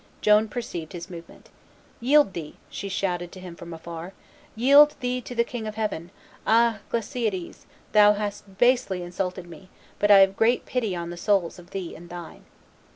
Joan perceived his movement. "Yield thee," she shouted to him from afar; "yield thee to the King of Heaven! Ah! Glacidas, thou hast basely insulted me; but I have great pity on the souls of thee and thine."